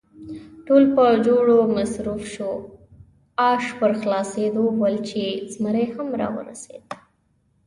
ټول په خوړو مصروف شوو، آش پر خلاصېدو ول چې زمري هم را ورسېد.